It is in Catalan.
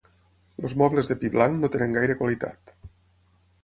Els mobles de pi blanc no tenen gaire qualitat.